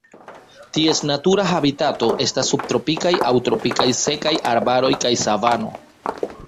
Ties natura habitato estas subtropikaj aŭ tropikaj sekaj arbaroj kaj savano.